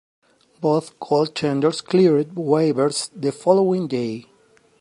Both goaltenders cleared waivers the following day.